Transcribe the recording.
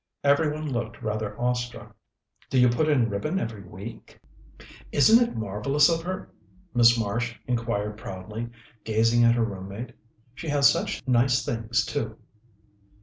Every one looked rather awestruck. "Do you put in ribbon every week?" "Isn't it marvellous of her?" Miss Marsh inquired proudly, gazing at her room mate. "She has such nice things, too."